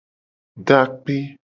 Do akpe.